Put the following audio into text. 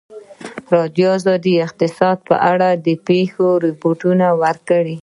ازادي راډیو د اقتصاد په اړه د پېښو رپوټونه ورکړي.